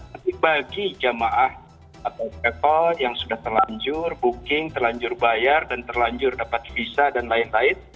tapi bagi jamaah atau travel yang sudah terlanjur booking telanjur bayar dan terlanjur dapat visa dan lain lain